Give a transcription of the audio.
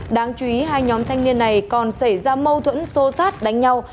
đáng chú ý hai nhóm thanh niên này còn xảy ra mâu thuẫn sô sát đánh nhau